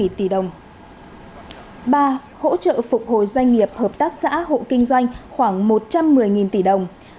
ba hỗ trợ phục hồi doanh nghiệp hợp tác xã hộ kinh doanh khoảng một trăm một mươi tỷ đồng